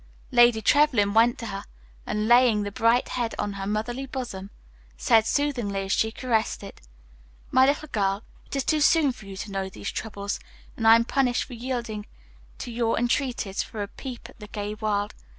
Lady Trevlyn went to her and, laying the bright head on her motherly bosom, said soothingly as she caressed it, "My little girl, it is too soon for you to know these troubles, and I am punished for yielding to your entreaties for a peep at the gay world.